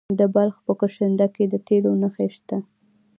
د بلخ په کشنده کې د تیلو نښې شته.